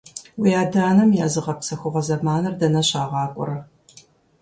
Уи адэ-анэм я зыгъэпсэхугъуэ зэманыр дэнэ щагъакӀуэрэ?